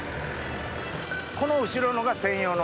この後ろのが専用の。